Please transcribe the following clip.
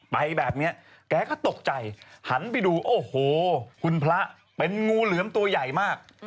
ไปแบบนี้แกก็ตกใจหันไปดูโอ้โหคุณพระเป็นงูเหลือมตัวใหญ่มาก